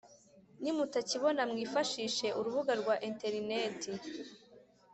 nimutakibona mwifashishe urubuga rwa interineti